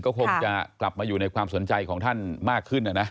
ก็คงจะกลับมาอยู่ในความสนใจของท่านมากขึ้นนะนะ